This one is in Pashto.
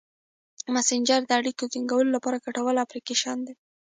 مسېنجر د اړیکو ټینګولو لپاره ګټور اپلیکیشن دی.